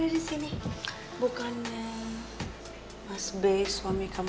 di sini bukannya